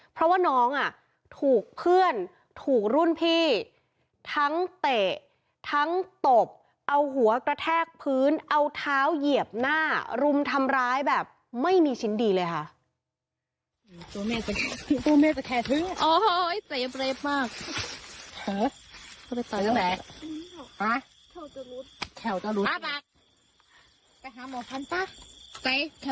เพราะว่าน้องถูกเพื่อนถูกรุ่นพี่ทั้งเตะทั้งตบเอาหัวกระแทกพื้นเอาเท้าเหยียบหน้ารุมทำร้ายแบบไม่มีชิ้นดีเลยค่ะ